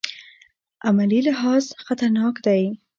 عملي لحاظ خطرناک دی.